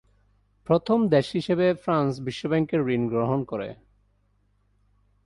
প্রথম দেশ হিসেবে ফ্রান্স বিশ্বব্যাংকের ঋণ গ্রহণ করে।